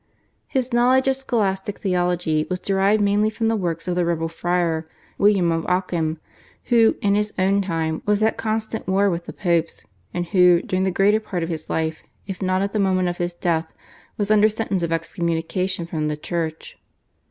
His knowledge of Scholastic Theology was derived mainly from the works of the rebel friar William of Occam, who, in his own time, was at constant war with the Popes, and who, during the greater part of his life, if not at the moment of his death, was under sentence of excommunication from the Church.